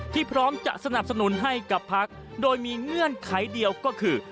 พร้อมจะสนับสนุนให้กับพักโดยมีเงื่อนไขเดียวก็คือ